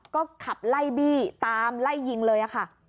ก็ขับไล่บี้ตามไล่ยิงเลยค่ะ